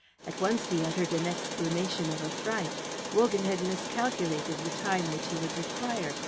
At once he uttered an exclamation of affright. Wogan had miscalculated the time which he would require.